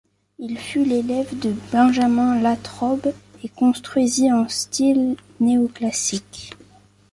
Il fut l'élève de Benjamin Latrobe et construisit en style néoclassique.